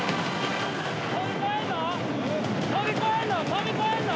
飛び越えんの？